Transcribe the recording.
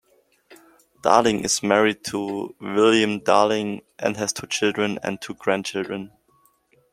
Darling is married to William Darling and has two children and two grandchildren.